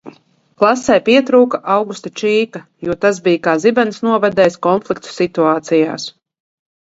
"Klasei pietrūka Augusta Čīka jo tas bija kā "zibens novedējs" konfliktu situācijās."